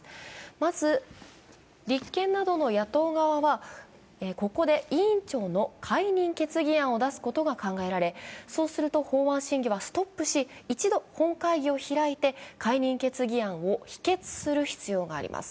まず、立憲などの野党側はここで委員長の解任決議案を出すことが考えられそうすると、法案審議はストップし一度、本会議を開いて解任決議案を否決する必要があります。